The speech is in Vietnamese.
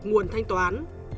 nguồn thanh toán